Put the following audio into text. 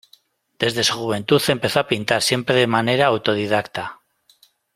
Desde su juventud empezó a pintar, siempre de manera autodidacta.